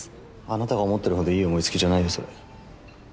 あなたが思ってるほどいい思いつきじゃないよそれ。